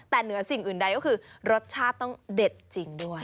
แต่เหนือสิ่งอื่นใดก็คือรสชาติต้องเด็ดจริงด้วย